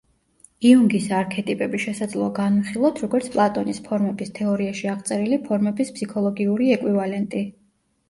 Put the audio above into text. იუნგის არქეტიპები შესაძლოა განვიხილოთ, როგორც პლატონის ფორმების თეორიაში აღწერილი ფორმების ფსიქოლოგიური ეკვივალენტი.